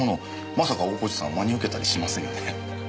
まさか大河内さん真に受けたりしませんよね？